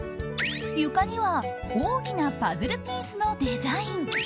床には大きなパズルピースのデザイン。